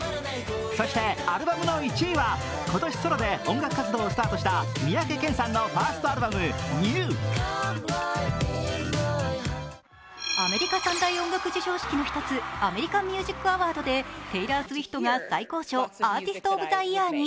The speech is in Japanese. そしてアルバムの１位は今年、ソロで音楽活動をスタートした三宅健さんのファーストアルバム「ＮＥＷＷＷ」アメリカ３大音楽授賞式の１つ、アメリカン・ミュージック・アワードでテイラー・スウィフトが最高賞アーティスト・オブ・ザ・イヤーに。